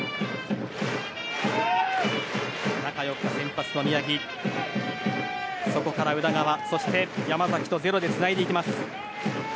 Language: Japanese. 中４日、先発の宮城そこから宇田川、そして山崎とゼロでつないでいきます。